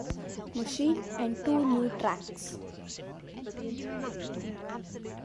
Machine, and two new tracks.